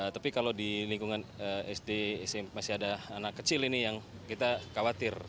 tapi kalau di lingkungan sd smp masih ada anak kecil ini yang kita khawatir